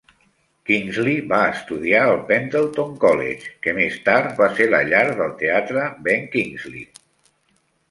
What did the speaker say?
Kingsley va estudiar al Pendleton College, que més tard va ser la llar del teatre ben Kingsley.